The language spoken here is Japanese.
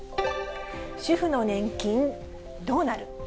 主婦の年金どうなる？